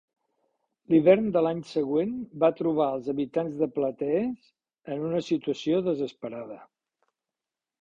L'hivern de l'any següent va trobar als habitants de Platees en una situació desesperada.